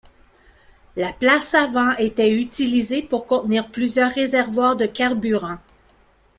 La place avant était utilisée pour contenir plusieurs réservoirs de carburant.